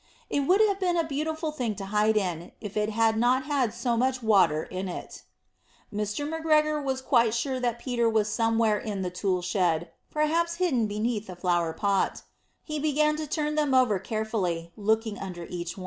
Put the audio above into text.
It would have been a beautiful thing to hide in, if it had not had so much water in it. Mr. McGregor was quite sure that Peter was somewhere in the tool shed, perhaps hidden underneath a flower pot. He began to turn them over carefully, looking under each.